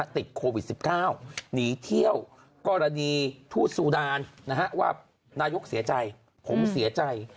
ติดโควิด๑๙หนีเที่ยวกรณีทูตซูดานว่านายกเสียใจผมเสียใจ